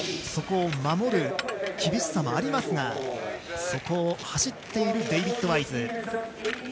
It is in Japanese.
そこを守る厳しさもありますがそこを走っているデイビッド・ワイズ。